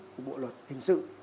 của bộ luật hình sự